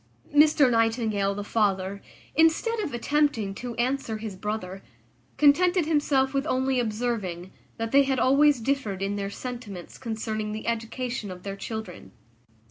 Mr Nightingale, the father, instead of attempting to answer his brother, contented himself with only observing, that they had always differed in their sentiments concerning the education of their children.